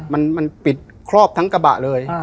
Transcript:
มันปิดครอบทั้งกระบะเลย